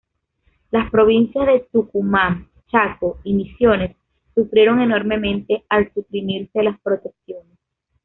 Las provincias de Tucumán, Chaco y Misiones sufrieron enormemente al suprimirse las protecciones.